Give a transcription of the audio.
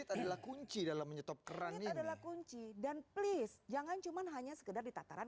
adalah kunci dalam menyetop keran ini adalah kunci dan please jangan cuman hanya sekedar ditataran